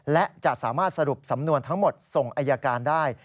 และจะสามารถสรุปสำนวนทั้งหมดส่งอายการได้